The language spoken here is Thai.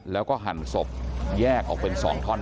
แล้วก็หั่นศพแยกออกเป็น๒ท่อน